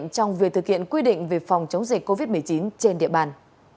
trong việc thực hiện quy định về phòng chống dịch covid một mươi chín trên địa bàn